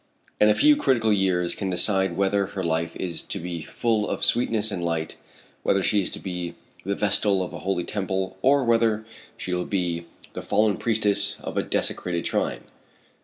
And a few critical years can decide whether her life is to be full of sweetness and light, whether she is to be the vestal of a holy temple, or whether she will be the fallen priestess of a desecrated shrine.